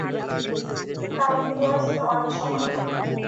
তাঁর ফিরে আসতে অনেক সময় লাগল।